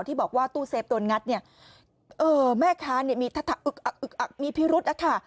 ที่บอกว่าตู้เซฟโดนงัดแม่ค้ามีพิรุษค่ะ